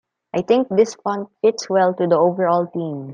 I think this font fits well to the overall theme.